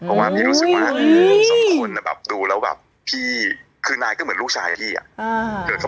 เพราะว่าพี่รู้สึกว่าสองคนแบบดูแล้วแบบพี่คือนายก็เหมือนลูกชายอะพี่อะ